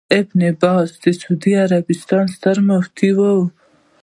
ابن باز د سعودي عربستان ستر مفتي وو